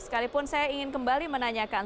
sekalipun saya ingin kembali menanyakan